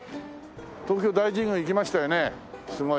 東京大神宮行きましたよねすごい。